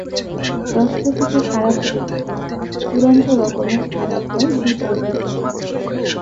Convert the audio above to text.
দশটা থেকে খারাপ হতে থাকে, চূড়ান্ত রকমের খারাপ হয় দুটার দিকে।